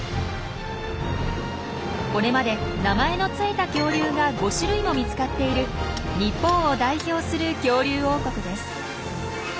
これまで名前のついた恐竜が５種類も見つかっている日本を代表する恐竜王国です。